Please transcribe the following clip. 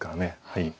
はい。